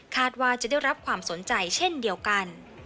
ว่าจะได้รับความสนใจเช่นเดียวกัน